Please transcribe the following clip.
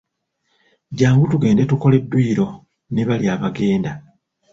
Jjangu tugende tukole dduyiro ne bali abagenda.